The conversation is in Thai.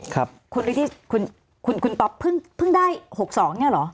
คุณพี่ที่คุณต๊อบเพิ่งได้๖๒นี่หรอ